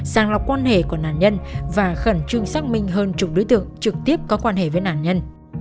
sàng lọc quan hệ của nạn nhân và khẩn trương xác minh hơn chục đối tượng trực tiếp có quan hệ với nạn nhân